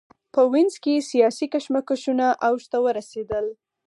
په وینز کې سیاسي کشمکشونه اوج ته ورسېدل.